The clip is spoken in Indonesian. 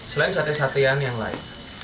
selain sate satean yang lain